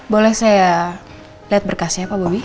boleh saya lihat berkah siapa bobby